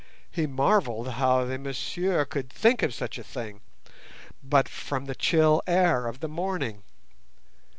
he marvelled how the "messieurs" could think of such a thing—but from the chill air of the morning.